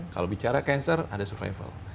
kalau bicara cancer ada survival